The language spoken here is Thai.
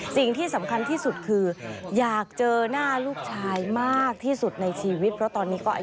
สิ่งที่สำคัญที่สุดคืออยากเจอหน้าลูกชายมากที่สุดในชีวิต